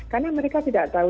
karena mereka tidak tahu